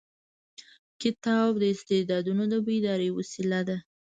کتاب د استعدادونو د بیدارۍ وسیله ده.